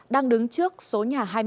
đang đứng trước số nhà hai mươi một